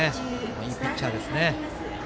いいピッチャーですね。